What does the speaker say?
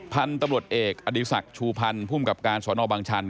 พันธุ์ตำรวจเอกอดีศักดิ์ชูพันธ์ภูมิกับการสอนอบางชัน